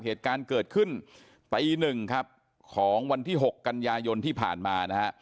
เหตุการณ์เกิดขึ้นตีหนึ่งครับของวันที่๖กันยายนที่ผ่านมานะฮะ